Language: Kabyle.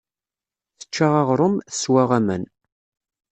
Tečča aɣrum, teswa aman.